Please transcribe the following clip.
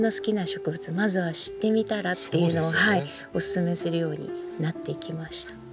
まずは知ってみたら？っていうのをお勧めするようになっていきました。